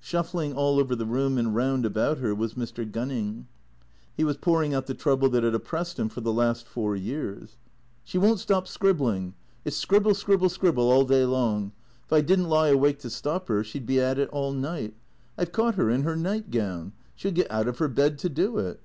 Shuffling all over the room and round about her was Mr. Gunning. He was pouring out the trouble that had oppressed him for the last four years. " She won't stop scribbling. It 's scribble — scribble — scrib ble all day long. If I did n't lie awake to stop her she 'd be at it all night. I 've caught her — in her nightgown. She '11 get out of her bed to do it."